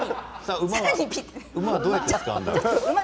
ウマはどうやって使うんだろう。